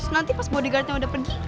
nanti pas bodyguardnya udah pergi